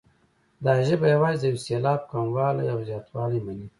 دا ژبه یوازې د یو سېلاب کموالی او زیاتوالی مني.